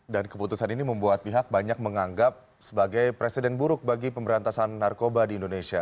dan keputusan ini membuat pihak banyak menganggap sebagai presiden buruk bagi pemberantasan narkoba di indonesia